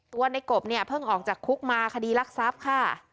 ตัวนายกบเนี่ยเพิ่งออกจากคุกมาคดีรักทราบค่ะ